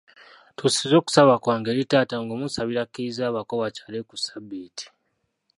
Ntuusiza okusaba kwange eri taata ng'omunsabira akkirize abako bakyale ku ssabbiiti.